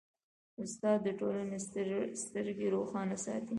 استاد د ټولنې سترګې روښانه ساتي.